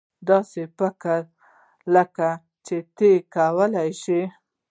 داسې فکر لکه چې ته یې کولای شې.